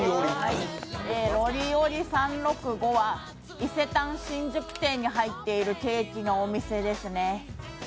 ロリオリ３６５は伊勢丹新宿店に入っているケーキのお店ですね。